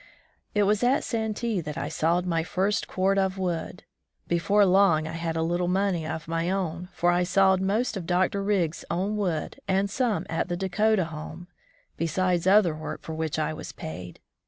It was at Santee that I sawed my first cord of wood. Before long I had a little money of my own, for I sawed most of Dr. Riggs's own wood and some at the Dakota Home, besides other work for which I was paid.